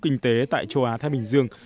kinh tế tại châu á thái bình dương